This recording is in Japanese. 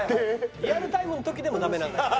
リアルタイムの時でもダメなんだから。